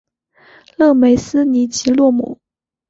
勒梅斯尼吉洛姆。